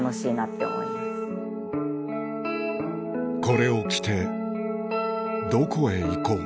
これを着てどこへ行こう